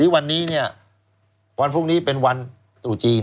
วันนี้เนี่ยวันพรุ่งนี้เป็นวันตู่จีน